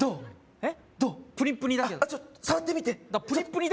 えっ？